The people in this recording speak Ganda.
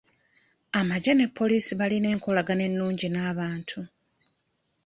Amagye ne poliisi balina enkolagana ennungi n'abantu.